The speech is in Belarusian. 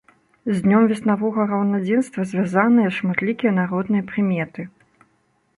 З днём веснавога раўнадзенства звязаныя шматлікія народныя прыметы.